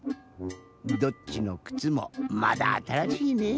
どっちのくつもまだあたらしいねぇ。